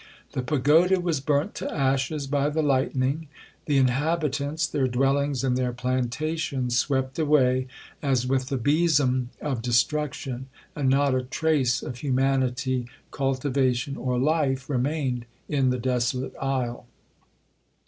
The pagoda was burnt to ashes by the lightning; the inhabitants, their dwellings, and their plantations, swept away as with the besom of destruction, and not a trace of humanity, cultivation, or life, remained in the desolate isle.